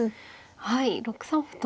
はい６三歩と。